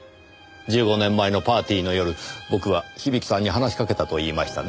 １５年前のパーティーの夜僕は響さんに話しかけたと言いましたね？